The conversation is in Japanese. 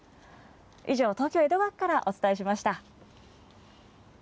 以上、東京・江戸川区からお伝えしました。